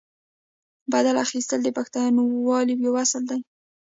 بدل اخیستل د پښتونولۍ یو اصل دی.